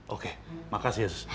oke makasih ya sus